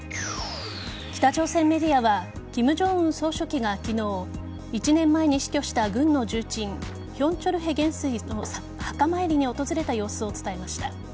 北朝鮮メディアは金正恩総書記が昨日１年前に死去した軍の重鎮ヒョン・チョルヘ元帥の墓参りに訪れた様子を伝えました。